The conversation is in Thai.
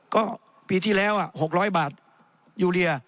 ก็ปีที่แล้ว๖๐๐บาทยูเรีย